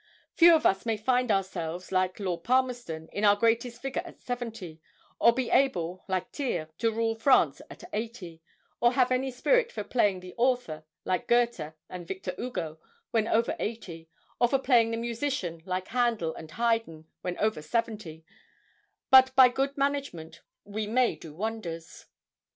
Few of us may find ourselves, like Lord Palmerston, in our greatest vigor at seventy, or be able, like Thiers, to rule France at eighty, or have any spirit for playing the author, like Goethe and Victor Hugo, when over eighty; or for playing the musician, like Handel and Haydn, when over seventy; but by good management we may do wonders.